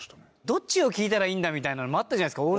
どっちを聴いたらいいんだみたいなのもあったじゃないですか。